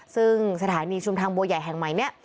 ซึ่งสถานีชุมทางบัวใหญ่แห่งใหม่นี้